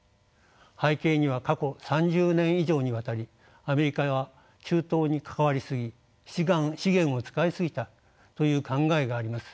背景には過去３０年以上にわたりアメリカは中東に関わり過ぎ資源を使い過ぎたという考えがあります。